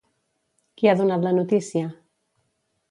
Qui ha donat la notícia?